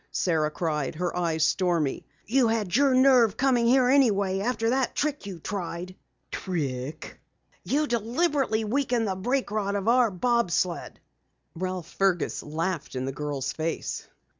Sara cried, her eyes stormy. "You had your nerve coming here anyway, after that trick you tried!" "Trick?" "You deliberately weakened the brake rod of our bob sled." Ralph Fergus laughed in the girl's face.